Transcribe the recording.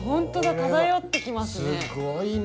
漂ってきますね。